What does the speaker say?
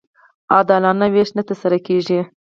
عادلانه وېش نه ترسره کېږي.